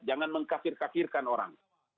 jangan mengkafir kafirkan orang